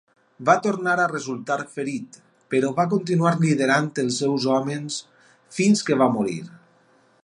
Va tornar a resultar ferit, però va continuar liderant els seus homes fins que va morir.